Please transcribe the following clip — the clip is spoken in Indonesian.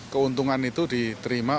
keuntungan itu diterima